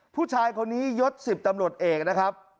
ผู้ชายคนนี้ยตำรวจเอก